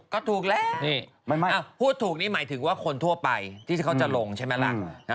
ก็ถูกแล้วพูดถูกนี่หมายถึงว่าคนทั่วไปที่เขาจะลงใช่ไหมล่ะ